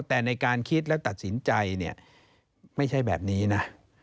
แต่ในการคิดและตัดสินใจเนี่ยไม่ใช่แบบนี้นะ